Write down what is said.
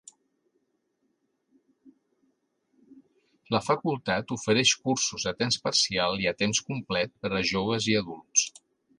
La facultat ofereix cursos a temps parcial i a temps complet per a joves i adults.